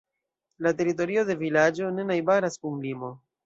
La teritorio de vilaĝo ne najbaras kun limo.